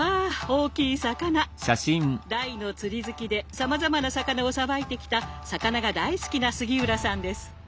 大の釣り好きでさまざまな魚をさばいてきた魚が大好きな杉浦さんです。